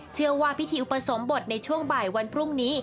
เชื่อว่าพิธีอุปสมบทในช่วงบ่ายวันพรุ่งนี้